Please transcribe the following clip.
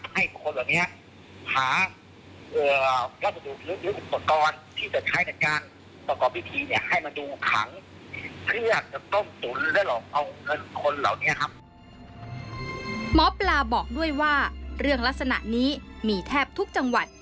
หมอปลาบอกด้วยว่าเรื่องลักษณะนี้มีแทบทุกจังหวัด